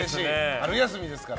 春休みですから。